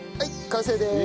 完成です！